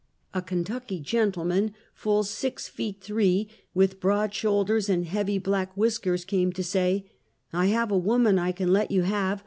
A Kentucky " gentleman," full six feet three, with broad shoulders and heavy black whiskers, came to say: " I have a woman I can let you have